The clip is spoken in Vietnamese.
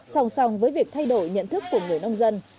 sòng sòng với việc thay đổi nhận thức của người nông dân